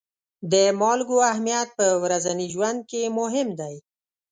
د مالګو اهمیت په ورځني ژوند کې مهم دی.